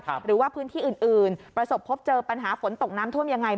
หรือว่าพื้นที่อื่นประสบพบเจอปัญหาฝนตกน้ำท่วมยังไง